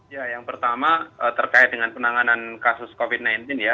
ya yang pertama terkait dengan penanganan kasus covid sembilan belas ya